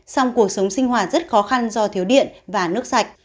song cuộc sống sinh hoạt rất khó khăn do thiếu điện và nước sạch